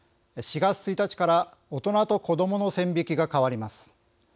４月１日から大人と子どもの線引きが変わります。